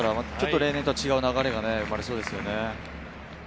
例年とは違う流れがありそうですよね。